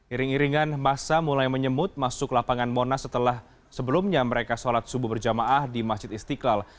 iring iringan masa mulai menyemut masuk lapangan monas setelah sebelumnya mereka sholat subuh berjamaah di masjid istiqlal